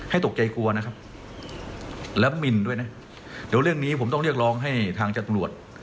ตกใจกลัวนะครับแล้วมินด้วยนะเดี๋ยวเรื่องนี้ผมต้องเรียกร้องให้ทางจำรวจ